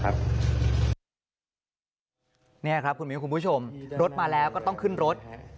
ครับนี่ฮะครับคุณผู้ชมรถมาแล้วก็ต้องขึ้นรถค่ะ